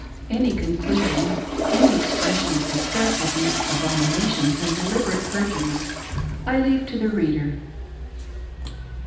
Any conclusion, any expression of disgust at these abomin ^ ations and deliberate perjuries, I leave to the reader.